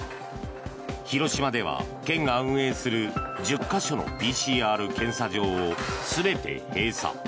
広島では県が運営する１０か所のＰＣＲ検査場を全て閉鎖。